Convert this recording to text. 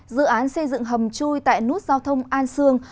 dự án xây dựng hầm chui tại nút giao thông an sương